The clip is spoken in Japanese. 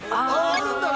あるんだね